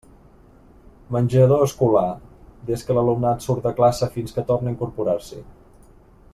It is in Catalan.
Menjador escolar: des que l'alumnat surt de classe fins que torna a incorporar-s'hi.